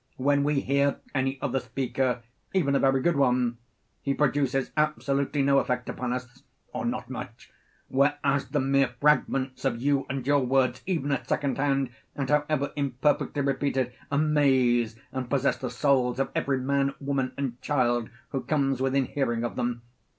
When we hear any other speaker, even a very good one, he produces absolutely no effect upon us, or not much, whereas the mere fragments of you and your words, even at second hand, and however imperfectly repeated, amaze and possess the souls of every man, woman, and child who comes within hearing of them.